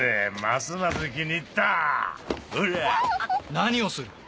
何をする！